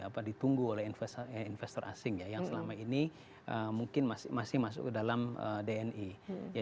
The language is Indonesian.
sebelumnya sebetulnya beberapa sektor itu kan memang ditunggu oleh investor asing ya yang selama ini mungkin masih masuk ke dalam dni